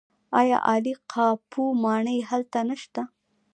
آیا عالي قاپو ماڼۍ هلته نشته؟